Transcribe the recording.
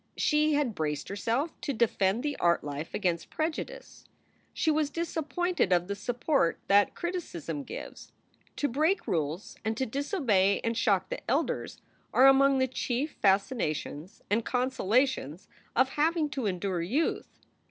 She had braced herself to defend the art life against prejudice. She was disappointed of the support that criticism gives. To break rules and to disobey and shock the elders are among the chief fascinations and consolations of having to endure youth.